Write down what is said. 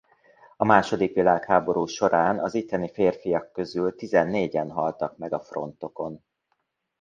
A második világháború során az itteni férfiak közül tizennégyen haltak meg a frontokon.